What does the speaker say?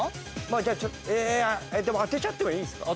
じゃあちょっとえでも当てちゃってもいいんですか？